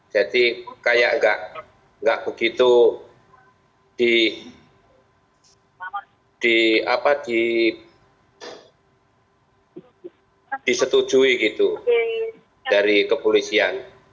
jadi kayak enggak begitu disetujui gitu dari kepolisian